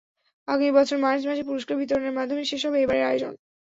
আগামী বছরের মার্চ মাসে পুরস্কার বিতরণের মাধ্যমে শেষ হবে এবারের আয়োজন।